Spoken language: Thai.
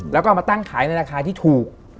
แล้วก็เอามาตั้งขายในราคาที่ถูก